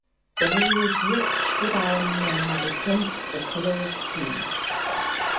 The river is rich with iron and has a tint the color of tea.